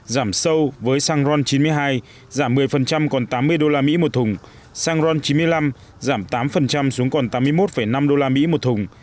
cụ thể giá xăng e năm ron chín mươi hai giảm sâu với xăng ron chín mươi hai giảm một mươi còn tám mươi đô la mỹ một thùng xăng ron chín mươi năm giảm tám xuống còn tám mươi một năm đô la mỹ một thùng